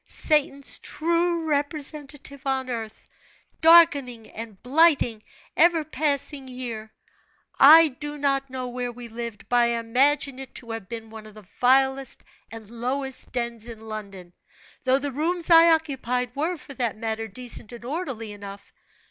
Satan's true representative on earth, darkening and blighting ever passing year. I do not know where we lived, but I imagine it to have been one of the vilest and lowest dens in London, though the rooms I occupied were, for that matter, decent and orderly enough.